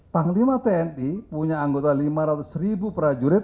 panglima tni punya anggota lima ratus ribu prajurit